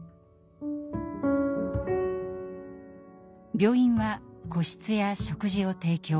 病院は個室や食事を提供。